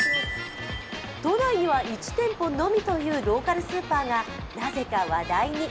都内には１店舗のみというローカルスーパーがなぜか話題に。